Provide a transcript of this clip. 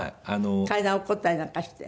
階段落っこちたりなんかして。